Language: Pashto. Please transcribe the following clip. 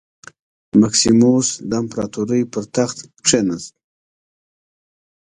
مکسیموس د امپراتورۍ پر تخت کېناست